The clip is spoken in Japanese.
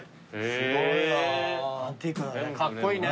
すごいね。